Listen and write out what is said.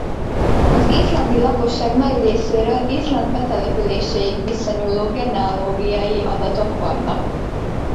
Az izlandi lakosság nagy részéről Izland betelepüléséig visszanyúló genealógiai adatok vannak.